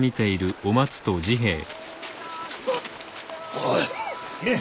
おい！